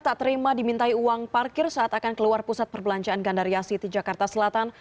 tak terima dimintai uang parkir saat akan keluar pusat perbelanjaan gandaria city jakarta selatan